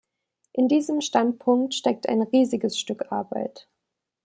In diesem Standpunkt steckt ein riesiges Stück Arbeit.